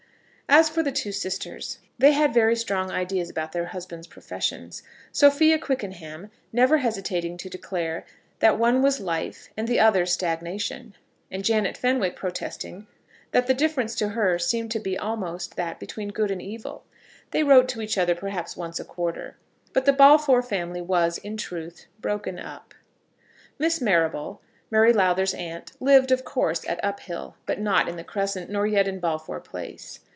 As for the two sisters, they had very strong ideas about their husbands' professions; Sophia Quickenham never hesitating to declare that one was life, and the other stagnation; and Janet Fenwick protesting that the difference to her seemed to be almost that between good and evil. They wrote to each other perhaps once a quarter. But the Balfour family was in truth broken up. Miss Marrable, Mary Lowther's aunt, lived, of course, at Uphill; but not in the Crescent, nor yet in Balfour Place.